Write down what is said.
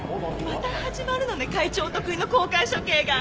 また始まるのね会長お得意の公開処刑が。